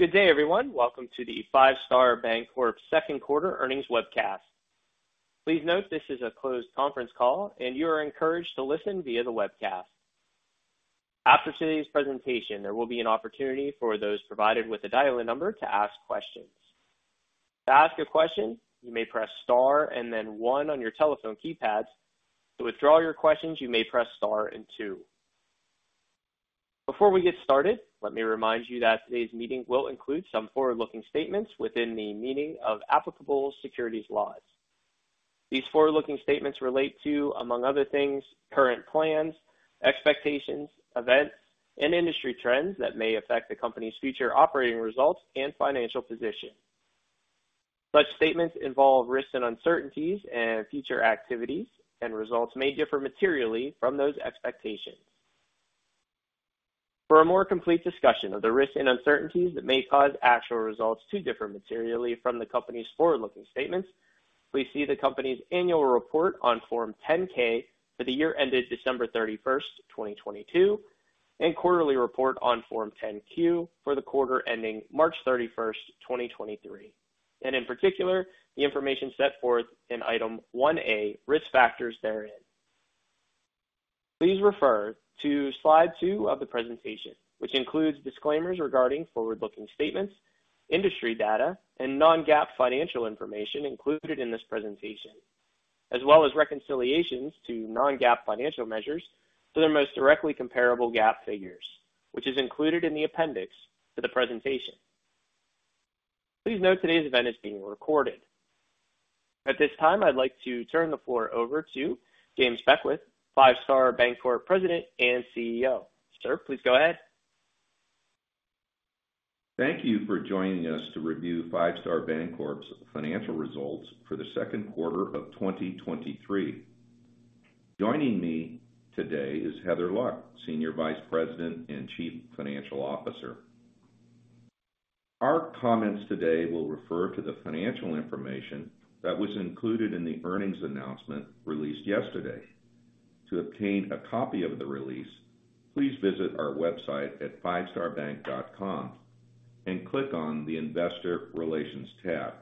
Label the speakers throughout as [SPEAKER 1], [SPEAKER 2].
[SPEAKER 1] Good day, everyone. Welcome to the Five Star Bancorp second quarter earnings webcast. Please note this is a closed conference call and you are encouraged to listen via the webcast. After today's presentation, there will be an opportunity for those provided with a dial-in number to ask questions. To ask a question, you may press star and then one on your telephone keypad. To withdraw your questions, you may press star and two. Before we get started, let me remind you that today's meeting will include some forward-looking statements within the meaning of applicable securities laws. These forward-looking statements relate to, among other things, current plans, expectations, events, and industry trends that may affect the company's future operating results and financial position. Such statements involve risks and uncertainties, and future activities and results may differ materially from those expectations. For a more complete discussion of the risks and uncertainties that may cause actual results to differ materially from the company's forward-looking statements, please see the company's annual report on Form 10-K for the year ended December 31, 2022, and quarterly report on Form 10-Q for the quarter ending March 31, 2023, and in particular, the information set forth in Item 1A, Risk Factors therein. Please refer to slide two of the presentation, which includes disclaimers regarding forward-looking statements, industry data, and non-GAAP financial information included in this presentation, as well as reconciliations to non-GAAP financial measures to their most directly comparable GAAP figures, which is included in the appendix to the presentation. Please note today's event is being recorded. At this time, I'd like to turn the floor over to James Beckwith, Five Star Bancorp President and CEO. Sir, please go ahead.
[SPEAKER 2] Thank you for joining us to review Five Star Bancorp's financial results for the second quarter of 2023. Joining me today is Heather Luck, Senior Vice President and Chief Financial Officer. Our comments today will refer to the financial information that was included in the earnings announcement released yesterday. To obtain a copy of the release, please visit our website at fivestarbank.com and click on the Investor Relations tab.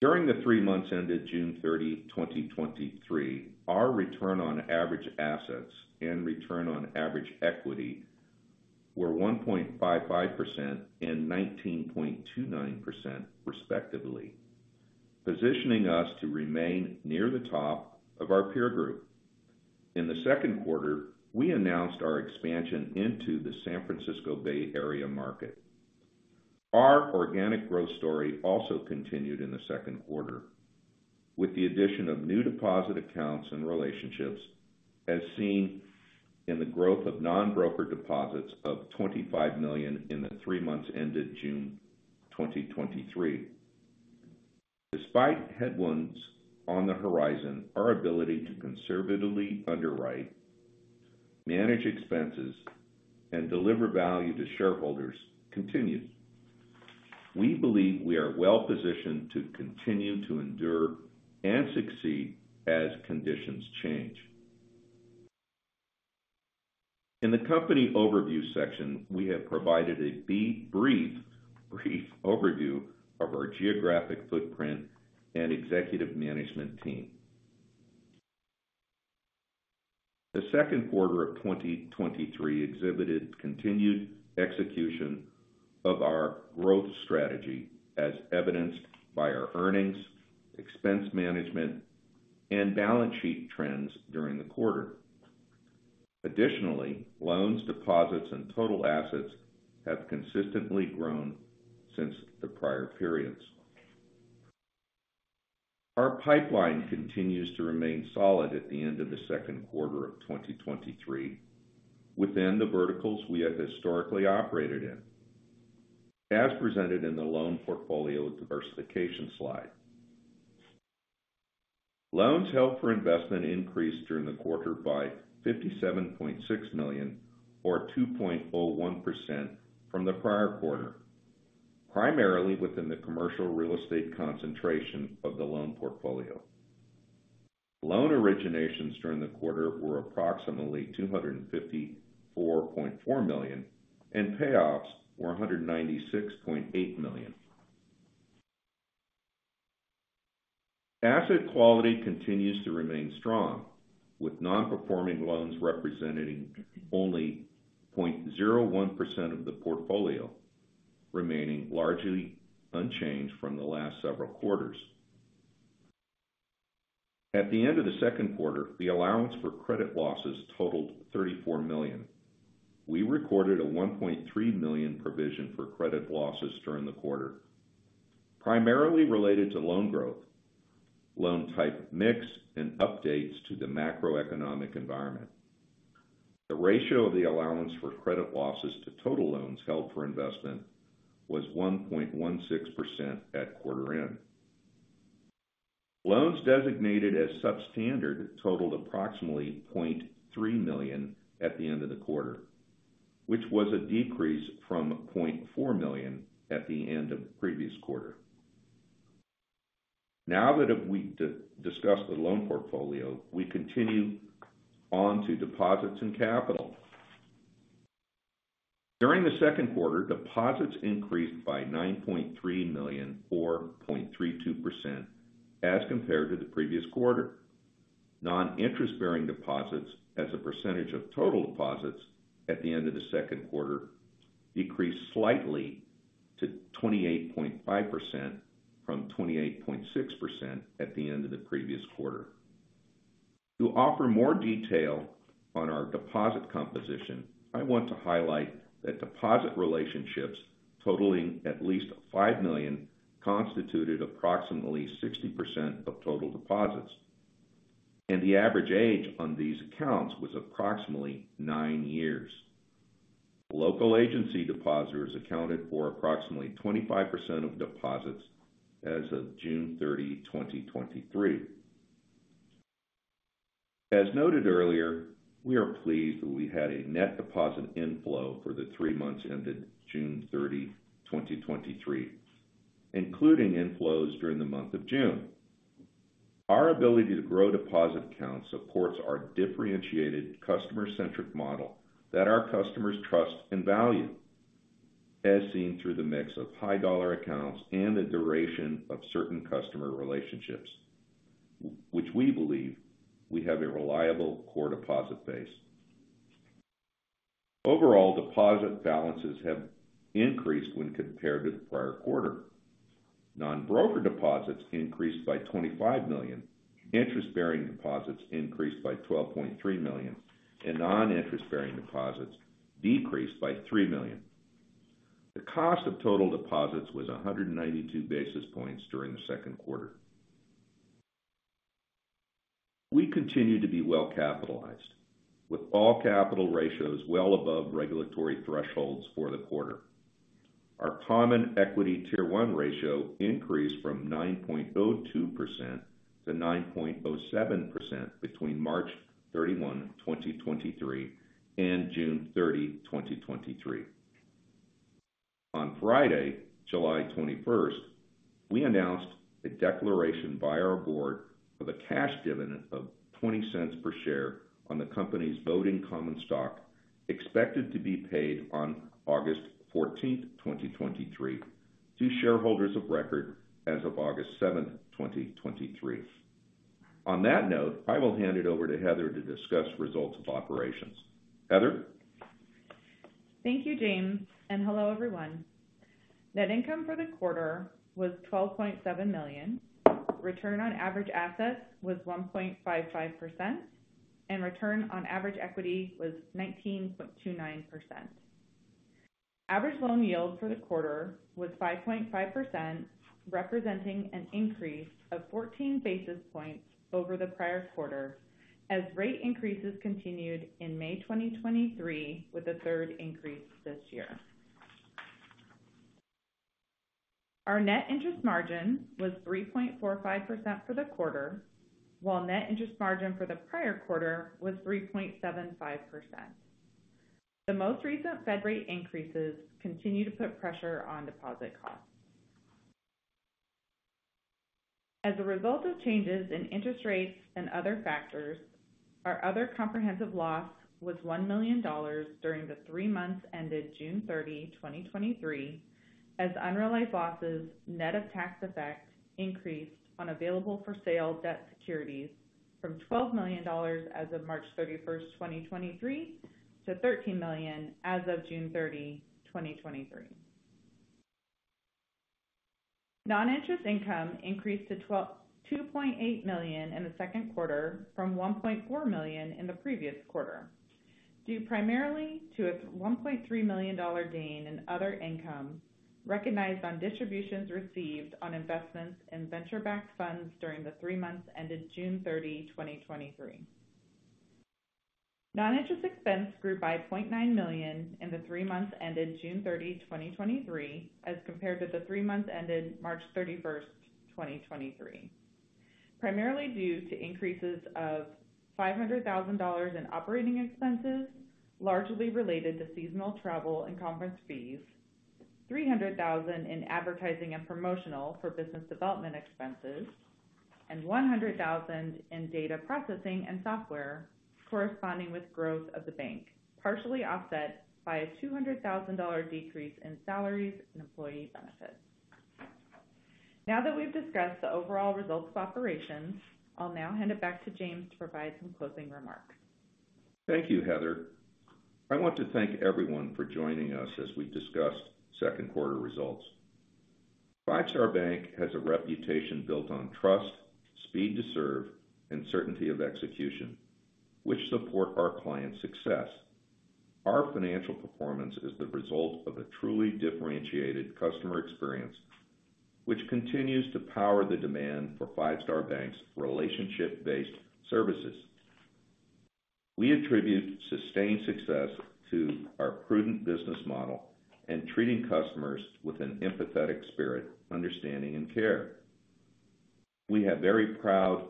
[SPEAKER 2] During the three months ended June 30, 2023, our return on average assets and return on average equity were 1.55% and 19.29%, respectively, positioning us to remain near the top of our peer group. In the second quarter, we announced our expansion into the San Francisco Bay Area market. Our organic growth story also continued in the second quarter, with the addition of new deposit accounts and relationships, as seen in the growth of non-broker deposits of $25 million in the three months ended June 2023. Despite headwinds on the horizon, our ability to conservatively underwrite, manage expenses, and deliver value to shareholders continues. We believe we are well positioned to continue to endure and succeed as conditions change. In the company overview section, we have provided a brief overview of our geographic footprint and executive management team. The second quarter of 2023 exhibited continued execution of our growth strategy, as evidenced by our earnings, expense management, and balance sheet trends during the quarter. Additionally, loans, deposits, and total assets have consistently grown since the prior periods. Our pipeline continues to remain solid at the end of the second quarter of 2023 within the verticals we have historically operated in, as presented in the loan portfolio diversification slide. Loans held for investment increased during the quarter by $57.6 million, or 2.1% from the prior quarter, primarily within the commercial real estate concentration of the loan portfolio. Loan originations during the quarter were approximately $254.4 million, and payoffs were $196.8 million. Asset quality continues to remain strong, with non-performing loans representing only 0.01% of the portfolio remaining largely unchanged from the last several quarters. At the end of the second quarter, the allowance for credit losses totaled $34 million. We recorded a $1.3 million provision for credit losses during the quarter, primarily related to loan growth, loan type mix, and updates to the macroeconomic environment. The ratio of the allowance for credit losses to total loans held for investment was 1.16% at quarter end. Loans designated as substandard totaled approximately $0.3 million at the end of the quarter, which was a decrease from $0.4 million at the end of the previous quarter. Now that if we discussed the loan portfolio, we continue on to deposits and capital. During the second quarter, deposits increased by $9.3 million, or 0.32% as compared to the previous quarter. Non-interest-bearing deposits as a percentage of total deposits at the end of the second quarter decreased slightly to 28.5% from 28.6% at the end of the previous quarter. To offer more detail on our deposit composition, I want to highlight that deposit relationships totaling at least $5 million, constituted approximately 60% of total deposits, and the average age on these accounts was approximately nine years. Local agency depositors accounted for approximately 25% of deposits as of June 30, 2023. As noted earlier, we are pleased that we had a net deposit inflow for the three months ended June 30, 2023, including inflows during the month of June. Our ability to grow deposit accounts supports our differentiated customer-centric model that our customers trust and value, as seen through the mix of high dollar accounts and the duration of certain customer relationships, which we believe we have a reliable core deposit base. Overall, deposit balances have increased when compared to the prior quarter. Non-broker deposits increased by $25 million, interest-bearing deposits increased by $12.3 million, and non-interest-bearing deposits decreased by $3 million. The cost of total deposits was 192 basis points during the second quarter. We continue to be well capitalized, with all capital ratios well above regulatory thresholds for the quarter. Our common equity Tier 1 ratio increased from 9.02% to 9.07% between March 31, 2023, and June 30, 2023. On Friday, July 21st, we announced a declaration by our board of a cash dividend of $0.20 per share on the company's voting common stock, expected to be paid on August 14th, 2023, to shareholders of record as of August 7th, 2023. On that note, I will hand it over to Heather to discuss results of operations. Heather?
[SPEAKER 3] Thank you, James, and hello, everyone. Net income for the quarter was $12.7 million. Return on average assets was 1.55%, and return on average equity was 19.29%. Average loan yield for the quarter was 5.5%, representing an increase of 14 basis points over the prior quarter as rate increases continued in May 2023, with a third increase this year. Our net interest margin was 3.45% for the quarter, while net interest margin for the prior quarter was 3.75%. The most recent Fed rate increases continue to put pressure on deposit costs. As a result of changes in interest rates and other factors, our other comprehensive loss was $1 million during the three months ended June 30, 2023, as unrealized losses, net of tax effects increased on available-for-sale debt securities from $12 million as of March 31, 2023, to $13 million as of June 30, 2023. Non-interest income increased to $2.8 million in the second quarter from $1.4 million in the previous quarter, due primarily to a $1.3 million gain in other income recognized on distributions received on investments in venture-backed funds during the three months ended June 30, 2023. Non-interest expense grew by $0.9 million in the three months ended June 30, 2023, as compared to the three months ended March 31, 2023, primarily due to increases of $500,000 in operating expenses, largely related to seasonal travel and conference fees, $300,000 in advertising and promotional for business development expenses, and $100,000 in data processing and software corresponding with growth of the bank, partially offset by a $200,000 decrease in salaries and employee benefits. Now that we've discussed the overall results of operations, I'll now hand it back to James to provide some closing remarks.
[SPEAKER 2] Thank you, Heather. I want to thank everyone for joining us as we discussed second quarter results. Five Star Bank has a reputation built on trust, speed to serve, and certainty of execution, which support our clients' success. Our financial performance is the result of a truly differentiated customer experience, which continues to power the demand for Five Star Bank's relationship-based services. We attribute sustained success to our prudent business model and treating customers with an empathetic spirit, understanding, and care. We are very proud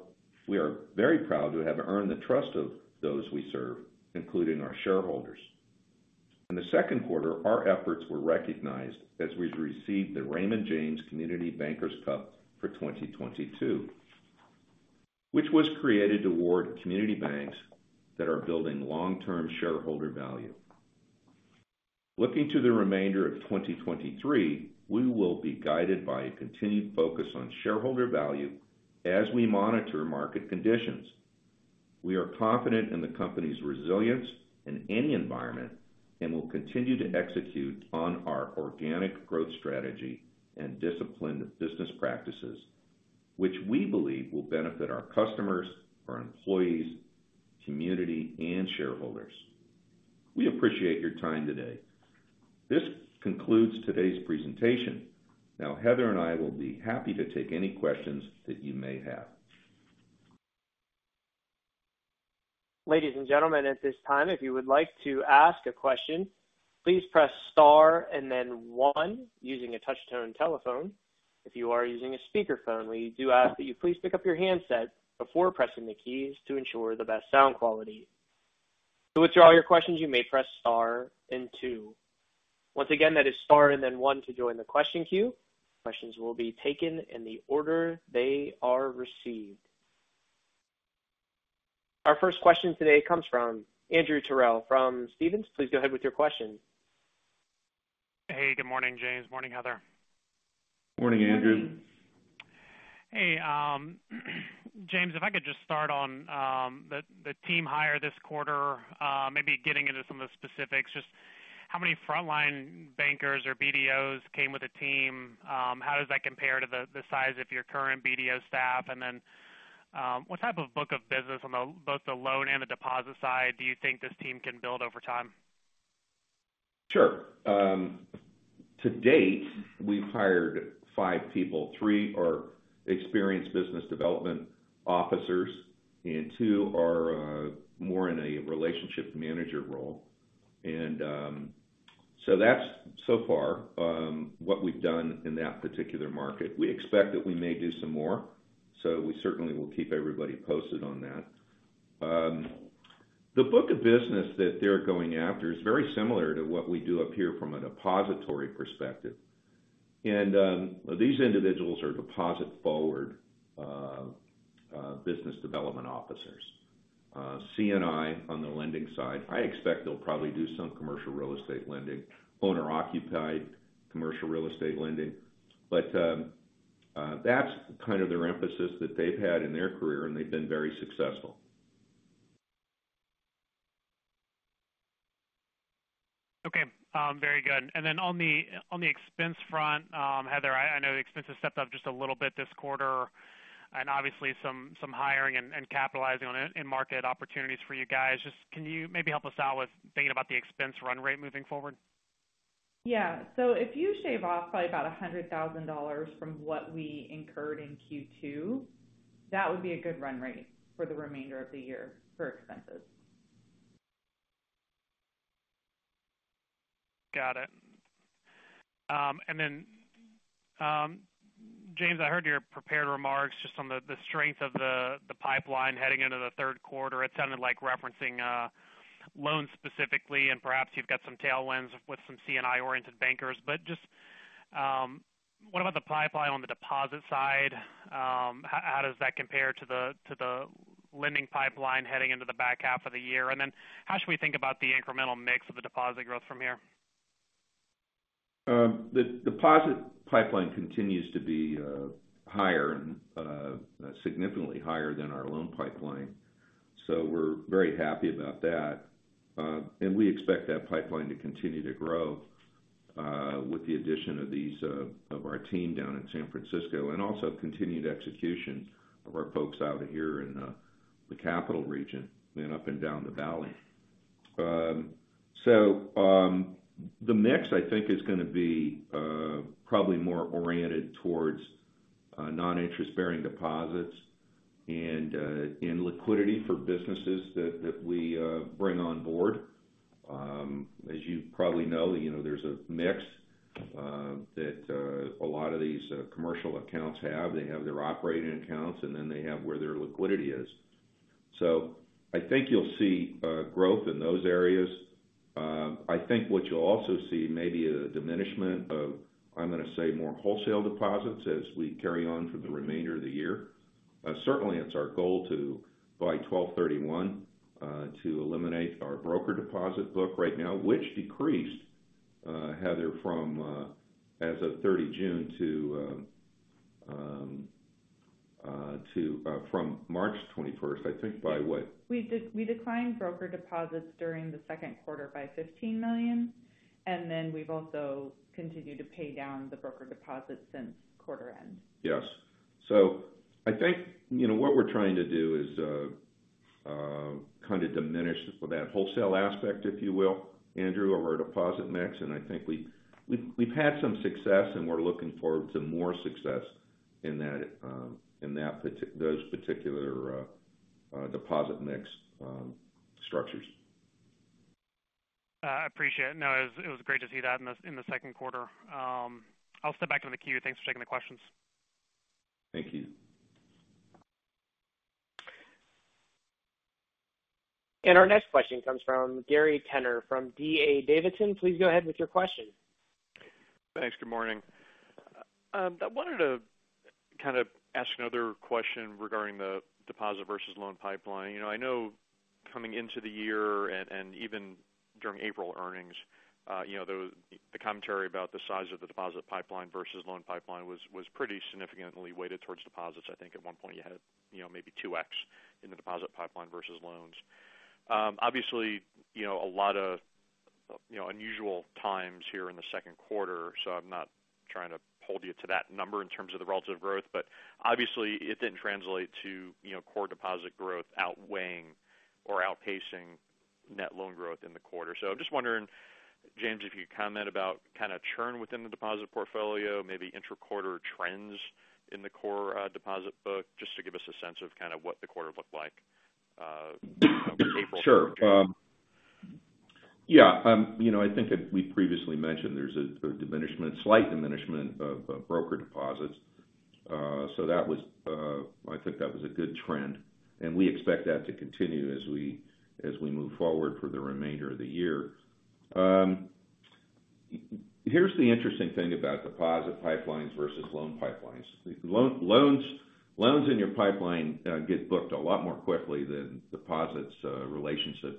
[SPEAKER 2] to have earned the trust of those we serve, including our shareholders. In the second quarter, our efforts were recognized as we've received the Raymond James Community Bankers Cup for 2022, which was created to award community banks that are building long-term shareholder value. Looking to the remainder of 2023, we will be guided by a continued focus on shareholder value as we monitor market conditions. We are confident in the company's resilience in any environment, and will continue to execute on our organic growth strategy and disciplined business practices, which we believe will benefit our customers, our employees, community, and shareholders. We appreciate your time today. This concludes today's presentation. Now, Heather and I will be happy to take any questions that you may have.
[SPEAKER 1] Ladies and gentlemen, at this time, if you would like to ask a question, please press star and then one using a touch-tone telephone. If you are using a speakerphone, we do ask that you please pick up your handset before pressing the keys to ensure the best sound quality. To withdraw your questions, you may press star and two. Once again, that is star and then one to join the question queue. Questions will be taken in the order they are received. Our first question today comes from Andrew Terrell from Stephens. Please go ahead with your question.
[SPEAKER 4] Hey, good morning, James. Morning, Heather.
[SPEAKER 2] Morning, Andrew.
[SPEAKER 4] Hey, James, if I could just start on the team hire this quarter, maybe getting into some of the specifics. Just how many frontline bankers or BDOs came with a team? How does that compare to the size of your current BDO staff? What type of book of business on the both the loan and the deposit side, do you think this team can build over time?
[SPEAKER 2] Sure. To date, we've hired five people. Three are experienced business development officers, and two are more in a relationship manager role. So that's so far what we've done in that particular market. We expect that we may do some more, so we certainly will keep everybody posted on that. The book of business that they're going after is very similar to what we do up here from a depository perspective. These individuals are deposit-forward business development officers. C&I on the lending side, I expect they'll probably do some commercial real estate lending, owner-occupied commercial real estate lending. That's kind of their emphasis that they've had in their career, and they've been very successful.
[SPEAKER 4] Okay, very good. On the, on the expense front, Heather, I know the expenses stepped up just a little bit this quarter, and obviously some hiring and capitalizing on in-market opportunities for you guys. Just, can you maybe help us out with thinking about the expense run rate moving forward?
[SPEAKER 3] Yeah. If you shave off probably about $100,000 from what we incurred in Q2, that would be a good run rate for the remainder of the year for expenses.
[SPEAKER 4] Then, James, I heard your prepared remarks just on the strength of the pipeline heading into the third quarter. It sounded like referencing loans specifically, and perhaps you've got some tailwinds with some C&I-oriented bankers. Just, what about the pipeline on the deposit side? How does that compare to the lending pipeline heading into the back half of the year? Then how should we think about the incremental mix of the deposit growth from here?
[SPEAKER 2] The deposit pipeline continues to be higher and significantly higher than our loan pipeline, so we're very happy about that. We expect that pipeline to continue to grow with the addition of these of our team down in San Francisco, and also continued execution of our folks out here in the capital region and up and down the valley. The mix, I think, is gonna be probably more oriented towards non-interest-bearing deposits and liquidity for businesses that we bring on board. As you probably know, you know, there's a mix that a lot of these commercial accounts have. They have their operating accounts, and then they have where their liquidity is. I think you'll see growth in those areas. I think what you'll also see may be a diminishment of, I'm gonna say, more wholesale deposits as we carry on for the remainder of the year. Certainly, it's our goal to, by 12/31, to eliminate our broker deposit book right now, which decreased, Heather, from as of 30 June to...from March 21st, I think, by what?
[SPEAKER 3] We declined broker deposits during the second quarter by $15 million, and then we've also continued to pay down the broker deposits since quarter end.
[SPEAKER 2] Yes. I think, you know, what we're trying to do is kind of diminish that wholesale aspect, if you will, Andrew, of our deposit mix, and I think we've had some success, and we're looking forward to more success in that, in those particular deposit mix structures.
[SPEAKER 4] I appreciate it. It was great to see that in the second quarter. I'll step back to the queue. Thanks for taking the questions.
[SPEAKER 2] Thank you.
[SPEAKER 1] Our next question comes from Gary Tenner from D.A. Davidson. Please go ahead with your question.
[SPEAKER 5] Thanks. Good morning. I wanted to kind of ask another question regarding the deposit versus loan pipeline. You know, I know coming into the year and even during April earnings, you know, the commentary about the size of the deposit pipeline versus loan pipeline was pretty significantly weighted towards deposits. I think at one point you had, you know, maybe 2x in the deposit pipeline versus loans. Obviously, you know, a lot of, you know, unusual times here in the second quarter, so I'm not trying to hold you to that number in terms of the relative growth. Obviously, it didn't translate to, you know, core deposit growth outweighing or outpacing net loan growth in the quarter. I'm just wondering, James, if you could comment about kind of churn within the deposit portfolio, maybe intra-quarter trends in the core, deposit book, just to give us a sense of kind of what the quarter looked like, from April.
[SPEAKER 2] Sure. you know, I think that we previously mentioned there's a diminishment, slight diminishment of broker deposits. That was, I think that was a good trend, and we expect that to continue as we move forward for the remainder of the year. Here's the interesting thing about deposit pipelines versus loan pipelines. Loans in your pipeline get booked a lot more quickly than deposits, relationships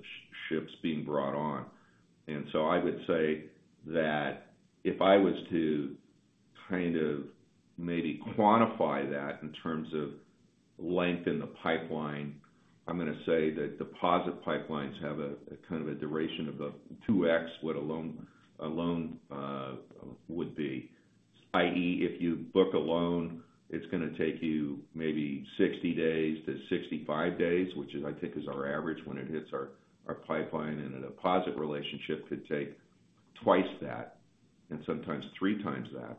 [SPEAKER 2] being brought on. I would say that if I was to kind of maybe quantify that in terms of length in the pipeline, I'm going to say that deposit pipelines have a kind of a duration of a 2x what a loan would be, i.e., if you book a loan, it's going to take you maybe 60 days to 65 days, which is, I think, is our average when it hits our pipeline, and a deposit relationship could take twice that, and sometimes three times that.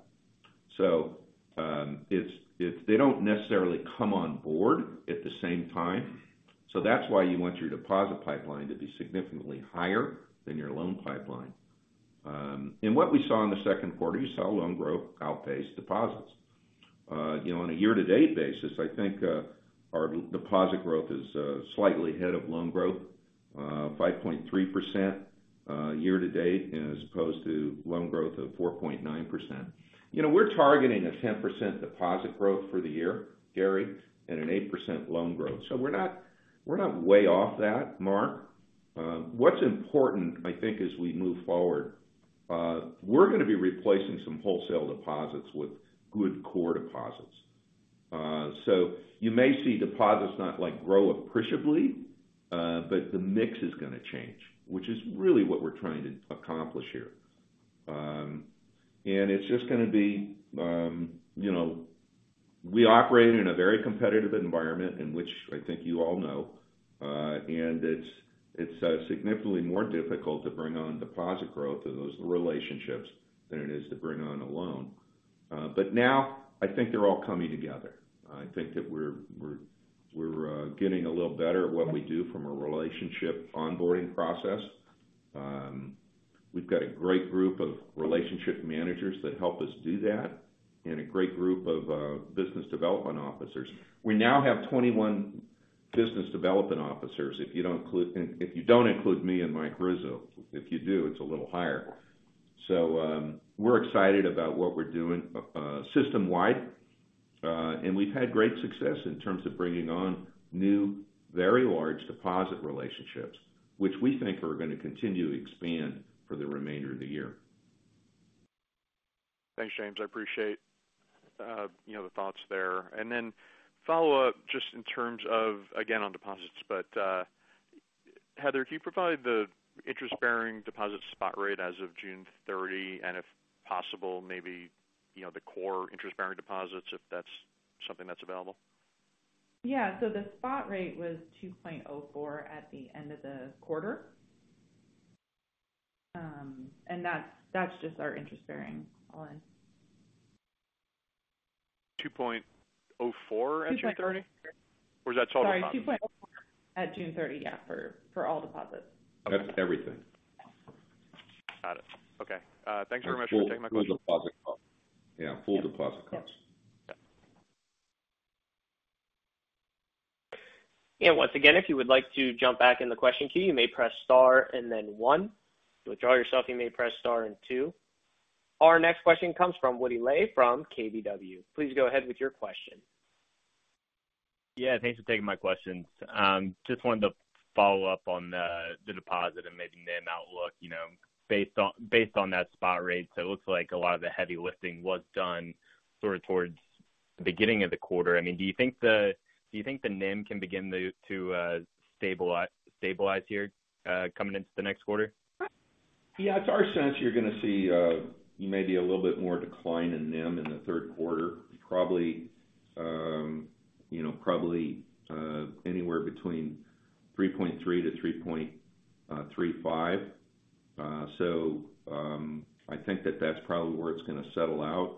[SPEAKER 2] They don't necessarily come on board at the same time. That's why you want your deposit pipeline to be significantly higher than your loan pipeline. What we saw in the second quarter, you saw loan growth outpace deposits. You know, on a year-to-date basis, I think, our deposit growth is slightly ahead of loan growth, 5.3% year-to-date, as opposed to loan growth of 4.9%. You know, we're targeting a 10% deposit growth for the year, Gary, and an 8% loan growth. We're not, we're not way off that mark. What's important, I think, as we move forward, we're going to be replacing some wholesale deposits with good core deposits. You may see deposits not, like, grow appreciably, but the mix is going to change, which is really what we're trying to accomplish here. It's just going to be, you know, we operate in a very competitive environment, in which I think you all know, and it's significantly more difficult to bring on deposit growth and those relationships than it is to bring on a loan. Now I think they're all coming together. I think that we're getting a little better at what we do from a relationship onboarding process. We've got a great group of relationship managers that help us do that and a great group of business development officers. We now have 21 business development officers, if you don't include me and Mike Rizzo. If you do, it's a little higher. We're excited about what we're doing system-wide. We've had great success in terms of bringing on new, very large deposit relationships, which we think are going to continue to expand for the remainder of the year.
[SPEAKER 5] Thanks, James. I appreciate, you know, the thoughts there. Follow up just in terms of, again, on deposits. Heather, can you provide the interest-bearing deposit spot rate as of June 30? If possible, maybe, you know, the core interest-bearing deposits, if that's something that's available.
[SPEAKER 3] Yeah. The spot rate was 2.04 at the end of the quarter. That's just our interest-bearing loan.
[SPEAKER 5] 2.04 at June 30?
[SPEAKER 3] 2.04.
[SPEAKER 5] Is that total?
[SPEAKER 3] Sorry, 2.04% at June 30, yeah, for all deposits.
[SPEAKER 2] That's everything.
[SPEAKER 5] Got it. Okay. Thanks very much for taking my questions.
[SPEAKER 2] Full deposit cost. Yeah, full deposit cost.
[SPEAKER 3] Yeah.
[SPEAKER 1] Once again, if you would like to jump back in the question queue, you may press star and then one. To withdraw yourself, you may press star and two. Our next question comes from Woody Lay from KBW. Please go ahead with your question.
[SPEAKER 6] Yeah, thanks for taking my questions. Just wanted to follow up on the deposit and maybe NIM outlook, you know, based on, based on that spot rate. It looks like a lot of the heavy lifting was done sort of towards the beginning of the quarter. I mean, do you think the NIM can begin to stabilize here, coming into the next quarter?
[SPEAKER 2] It's our sense you're going to see, maybe a little bit more decline in NIM in the third quarter, probably, you know, probably, anywhere between 3.3% to 3.35%. I think that that's probably where it's going to settle out.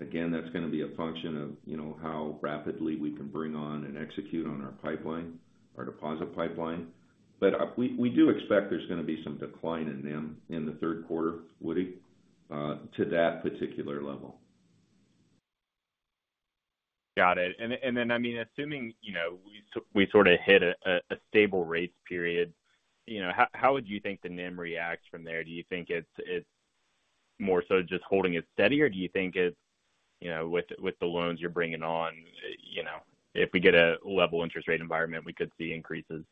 [SPEAKER 2] Again, that's going to be a function of, you know, how rapidly we can bring on and execute on our pipeline, our deposit pipeline. We do expect there's going to be some decline in NIM in the third quarter, Woody, to that particular level.
[SPEAKER 6] Got it. Then, I mean, assuming, you know, we sort of hit a stable rate period, you know, how would you think the NIM reacts from there? Do you think it's more so just holding it steady, or do you think it's, you know, with the loans you're bringing on, you know, if we get a level interest rate environment, we could see increases?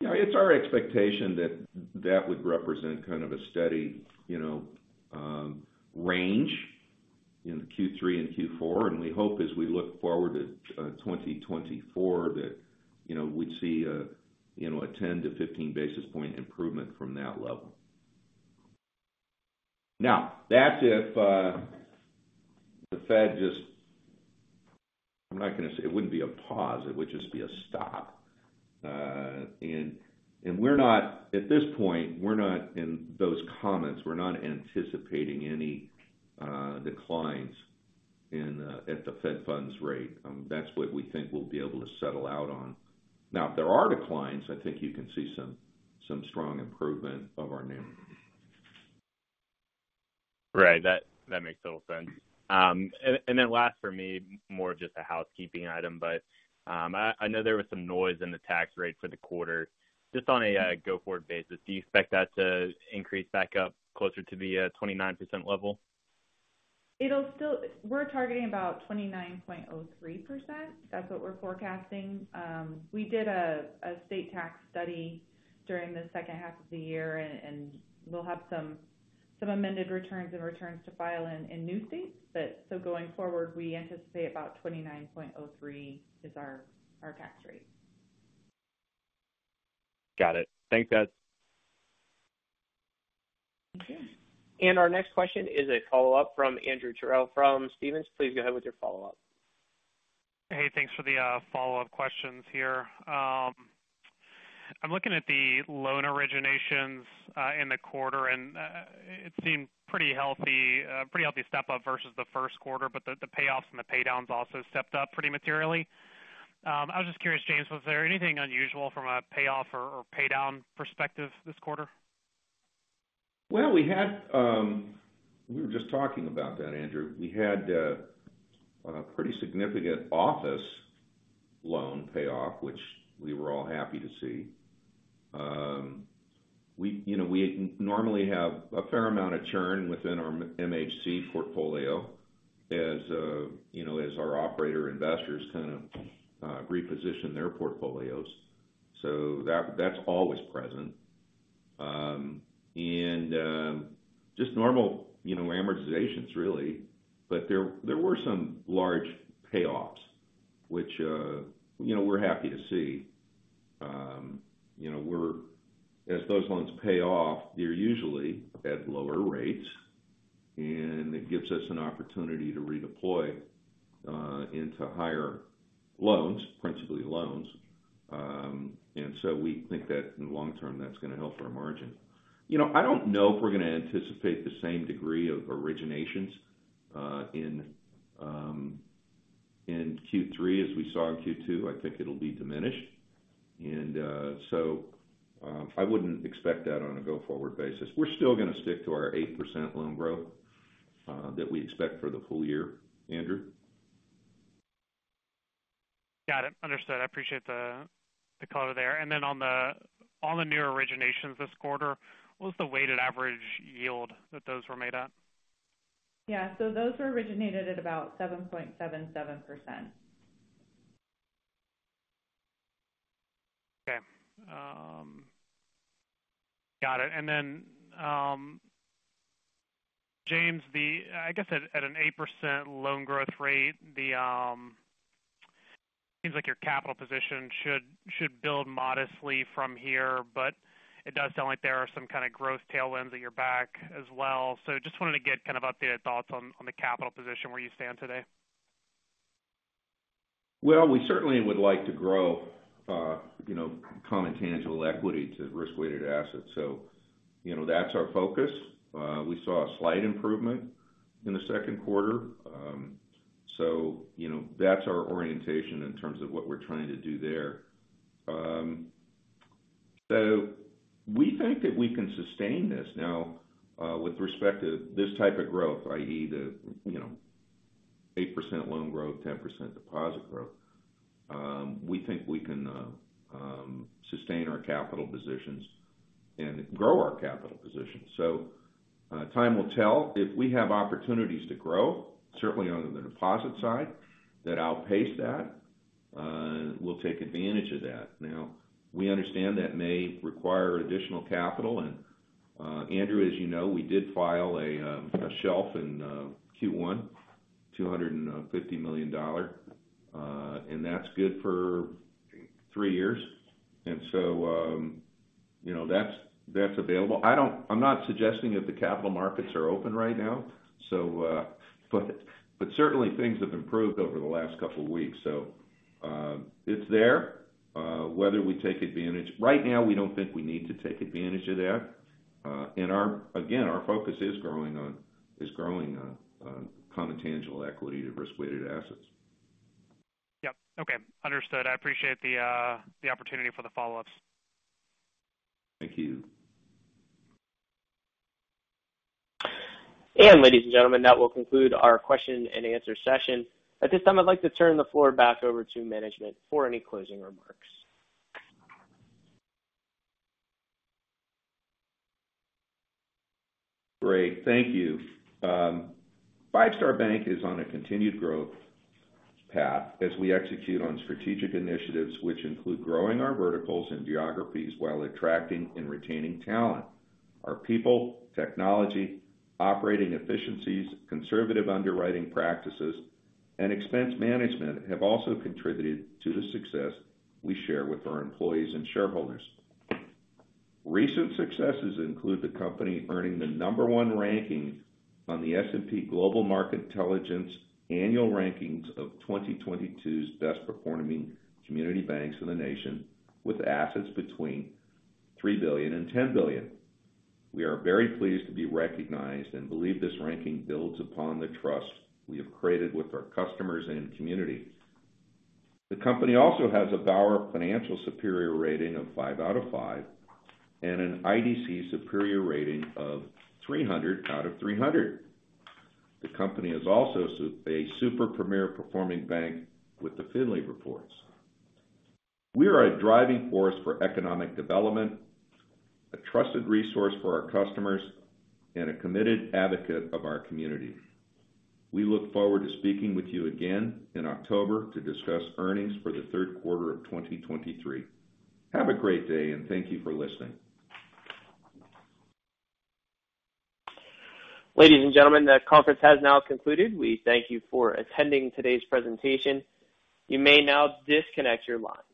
[SPEAKER 2] Yeah, it's our expectation that that would represent kind of a steady, you know, range in Q3 and Q4. We hope as we look forward to 2024, that, you know, we'd see a, you know, a 10-15 basis point improvement from that level. That's if the Fed, I'm not gonna say it wouldn't be a pause, it would just be a stop. At this point, we're not, in those comments, we're not anticipating any declines in the fed funds rate. That's what we think we'll be able to settle out on. If there are declines, I think you can see some strong improvement of our NIM.
[SPEAKER 6] Right. That makes total sense. Then last for me, more of just a housekeeping item, but, I know there was some noise in the tax rate for the quarter. Just on a go-forward basis, do you expect that to increase back up closer to the 29% level?
[SPEAKER 3] We're targeting about 29.03%. That's what we're forecasting. We did a state tax study during the second half of the year, and we'll have some amended returns and returns to file in new states. Going forward, we anticipate about 29.03% is our tax rate.
[SPEAKER 6] Got it. Thanks, guys.
[SPEAKER 3] Okay.
[SPEAKER 1] Our next question is a follow-up from Andrew Terrell from Stephens. Please go ahead with your follow-up.
[SPEAKER 4] Hey, thanks for the follow-up questions here. I'm looking at the loan originations in the quarter, and it seemed pretty healthy, pretty healthy step up versus the first quarter, but the payoffs and the paydowns also stepped up pretty materially. I was just curious, James, was there anything unusual from a payoff or paydown perspective this quarter?
[SPEAKER 2] Well, we were just talking about that, Andrew. We had a pretty significant office loan payoff, which we were all happy to see. We, you know, we normally have a fair amount of churn within our MHC portfolio, as, you know, as our operator investors kind of reposition their portfolios. That's always present. Just normal, you know, amortizations, really. There were some large payoffs, which, you know, we're happy to see. You know, as those loans pay off, they're usually at lower rates, and it gives us an opportunity to redeploy into higher loans, principally loans. We think that in the long term, that's going to help our margin. You know, I don't know if we're going to anticipate the same degree of originations, in Q3 as we saw in Q2. I think it'll be diminished. I wouldn't expect that on a go-forward basis. We're still gonna stick to our 8% loan growth, that we expect for the full year, Andrew.
[SPEAKER 4] Got it. Understood. I appreciate the color there. Then on the new originations this quarter, what was the weighted average yield that those were made at?
[SPEAKER 3] Yeah, those were originated at about 7.77%.
[SPEAKER 4] Okay. Got it. Then, James, I guess at an 8% loan growth rate, the seems like your capital position should build modestly from here, but it does sound like there are some kind of growth tailwinds at your back as well. Just wanted to get kind of updated thoughts on the capital position where you stand today.
[SPEAKER 2] Well, we certainly would like to grow, you know, tangible common equity to risk-weighted assets. You know, that's our focus. We saw a slight improvement in the second quarter. So, you know, that's our orientation in terms of what we're trying to do there. We think that we can sustain this. Now, with respect to this type of growth, i.e., the, you know, 8% loan growth, 10% deposit growth, we think we can sustain our capital positions and grow our capital positions. Time will tell. If we have opportunities to grow, certainly on the deposit side, that outpace that, we'll take advantage of that. We understand that may require additional capital, and Andrew, as you know, we did file a shelf in Q1, $250 million, and that's good for three years. You know, that's available. I'm not suggesting that the capital markets are open right now, so but certainly things have improved over the last couple weeks. It's there. Right now, we don't think we need to take advantage of that. Again, our focus is growing on tangible common equity to risk-weighted assets.
[SPEAKER 4] Yep. Okay, understood. I appreciate the opportunity for the follow-ups.
[SPEAKER 2] Thank you.
[SPEAKER 1] Ladies and gentlemen, that will conclude our question and answer session. At this time, I'd like to turn the floor back over to management for any closing remarks.
[SPEAKER 2] Great, thank you. Five Star Bank is on a continued growth path as we execute on strategic initiatives, which include growing our verticals and geographies while attracting and retaining talent. Our people, technology, operating efficiencies, conservative underwriting practices, and expense management have also contributed to the success we share with our employees and shareholders. Recent successes include the company earning the number one ranking on the S&P Global Market Intelligence annual rankings of 2022's best performing community banks in the nation, with assets between $3 billion and $10 billion. We are very pleased to be recognized and believe this ranking builds upon the trust we have created with our customers and community. The company also has a Bauer Financial Superior Rating of five out of five and an IDC Superior Rating of 300 out of 300. The company is also a super premier performing bank with The Findley Reports. We are a driving force for economic development, a trusted resource for our customers, and a committed advocate of our community. We look forward to speaking with you again in October to discuss earnings for the third quarter of 2023. Have a great day, and thank you for listening.
[SPEAKER 1] Ladies and gentlemen, the conference has now concluded. We thank you for attending today's presentation. You may now disconnect your lines.